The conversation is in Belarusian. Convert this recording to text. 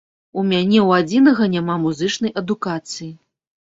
У мяне ў адзінага няма музычнай адукацыі.